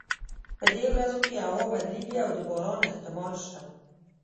په دې ورځو کې هوا بدلیږي او د باران احتمال شته